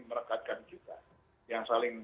merekatkan kita yang saling